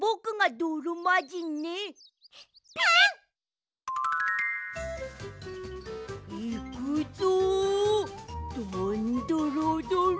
どんどろどろ。